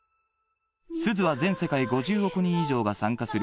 すずは全世界５０億人以上が参加する